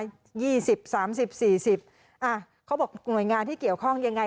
ยี่สิบสามสิบสี่สิบอ่ะเขาบอกหน่วยงานที่เกี่ยวข้องยังไง